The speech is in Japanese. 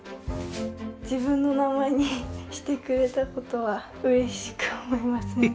自分の名前にしてくれた事は嬉しく思いますね。